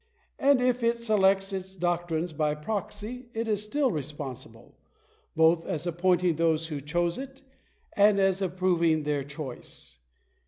And if it selects its doctrines by proxy, it is still responsible ; both as appointing those who chose for it, and as approving their choice.